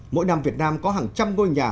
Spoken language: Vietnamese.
mỗi năm việt nam có hàng trăm ngôi nhà